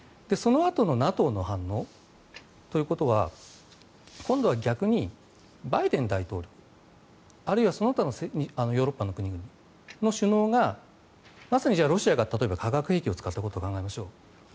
そのあとのＮＡＴＯの反応。ということは今度は逆にバイデン大統領あるいはその他のヨーロッパの国々の首脳がまさにじゃあ、ロシアが例えば化学兵器を使ったことを考えましょう。